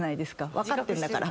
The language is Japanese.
分かってんだから。